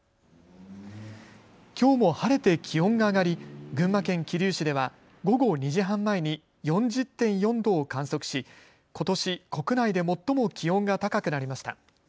きょうも晴れて気温が上がり群馬県桐生市では午後２時半前に４０．４度を観測し、ことし国内で最も気温が高くなりました。